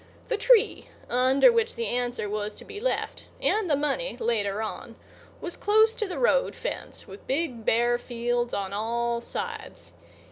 The tree under which the answer was to be left—and the money later on—was close to the road fence with big, bare fields on all sides.